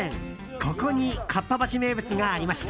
ここに合羽橋名物がありました。